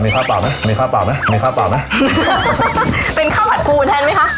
มีข้าวป่าวไหมมีข้าวป่าวไหมมีข้าวป่าวไหมเป็นข้าวผัดปูแทนไหมคะ